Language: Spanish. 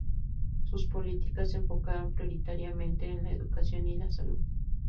Sus políticas se enfocaron prioritariamente en la educación y la Salud.